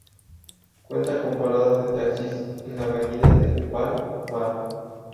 Cuenta con parada de taxis en la avenida del Palm-Mar.